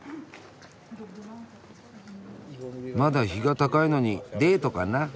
まだ日が高いのにデートかな？